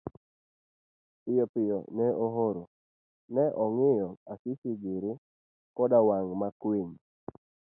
Piyopiyo ne ooro ne ong'iyo Asisi giri koda wang makwiny.